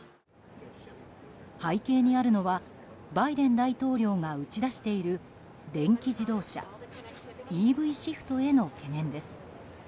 背景にあるのはバイデン大統領が打ち出している電気自動車・ＥＶシフトへの懸念です。